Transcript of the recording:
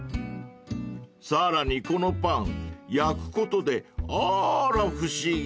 ［さらにこのパン焼くことであーら不思議！